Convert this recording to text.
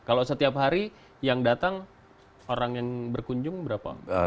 kalau setiap hari yang datang orang yang berkunjung berapa